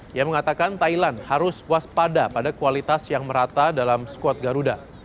dia mengatakan thailand harus waspada pada kualitas yang merata dalam skuad garuda